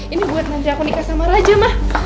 ini buat nanti aku nikah sama raja mah